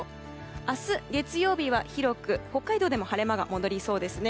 明日、月曜日は広く北海道でも晴れ間が戻りそうですね。